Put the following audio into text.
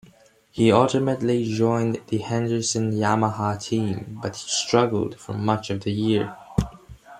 He ultimately joined the Henderson Yamaha team, but struggled for much of the year.